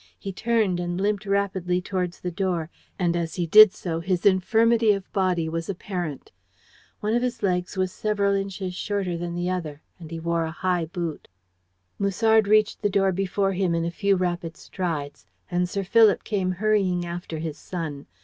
He turned and limped rapidly towards the door, and as he did so his infirmity of body was apparent. One of his legs was several inches shorter than the other, and he wore a high boot. Musard reached the door before him in a few rapid strides, and Sir Philip came hurrying after his son.